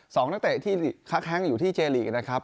นักเตะที่ค้าแข้งอยู่ที่เจลีกนะครับ